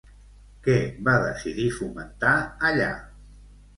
Què va decidir fomentar allà?